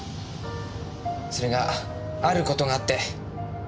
それがある事があって。